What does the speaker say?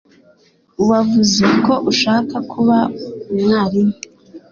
Wavuze ko ushaka kuba umwarimu.